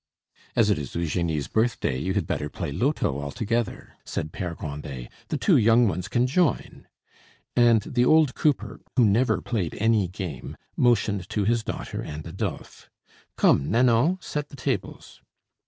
"As it is Eugenie's birthday you had better play loto all together," said Pere Grandet: "the two young ones can join"; and the old cooper, who never played any game, motioned to his daughter and Adolphe. "Come, Nanon, set the tables."